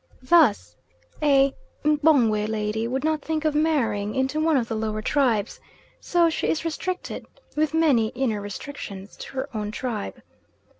Thus a M'pongwe lady would not think of marrying into one of the lower tribes, so she is restricted, with many inner restrictions, to her own tribe.